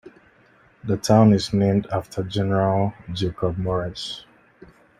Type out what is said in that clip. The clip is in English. The town is named after General Jacob Morris.